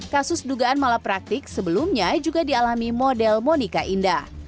kasus dugaan malapraktik sebelumnya juga dialami model monica indah